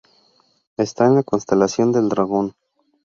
Esta en la Constelación del Dragón.